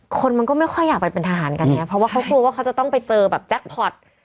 คนมันก็ไม่ค่อยอยากไปเป็นทหารกันไงเพราะว่าเขากลัวว่าเขาจะต้องไปเจอแบบแจ็คพอร์ต